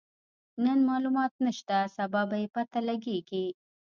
نن مالومات نشته، سبا به يې پته لګيږي.